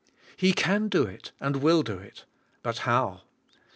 He can do it, and will do it, but how?